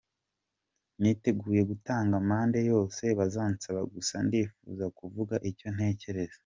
Niteguye gutanga amande yose bazansaba gusa ndifuza kuvuga icyo ntekereza.